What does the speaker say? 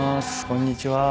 こんにちは。